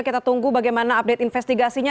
kita tunggu bagaimana update investigasinya